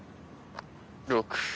６。